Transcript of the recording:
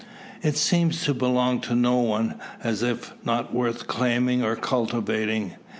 It seems to belong to no one, as if not worth claiming, or cultivating.